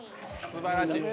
すばらしい。